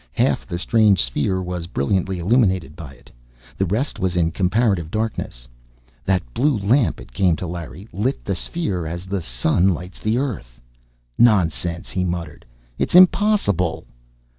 Half the strange sphere was brilliantly illuminated by it; the rest was in comparative darkness. That blue lamp, it came to Larry, lit the sphere as the sun lights the earth. "Nonsense!" he muttered. "It's impossible!"